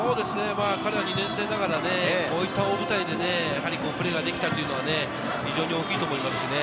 彼は２年生ながら、こういった大舞台でプレーができたというのは非常に大きいと思います。